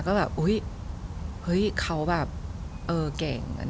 ก็แบบเฮ้ยเขาแบบเก่ง